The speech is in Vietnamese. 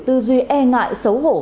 tư duy e ngại xấu hổ